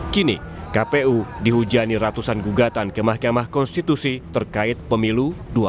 kini kpu dihujani ratusan gugatan ke mahkamah konstitusi terkait pemilu dua ribu sembilan belas